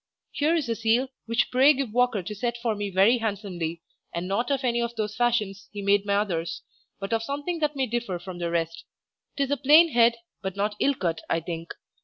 Here is a seal, which pray give Walker to set for me very handsomely, and not of any of those fashions he made my others, but of something that may differ from the rest. 'Tis a plain head, but not ill cut, I think.